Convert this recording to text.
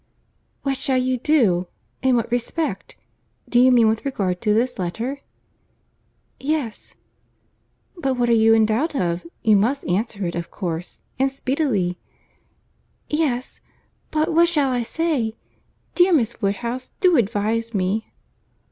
"What shall you do! In what respect? Do you mean with regard to this letter?" "Yes." "But what are you in doubt of? You must answer it of course—and speedily." "Yes. But what shall I say? Dear Miss Woodhouse, do advise me."